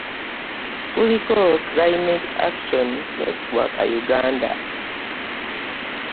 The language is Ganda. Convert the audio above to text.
Kuliko Climate Action Network Uganda